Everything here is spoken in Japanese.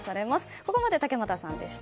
ここまで竹俣さんでした。